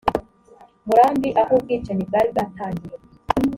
murambi aho ubwicanyi bwari bwatangiye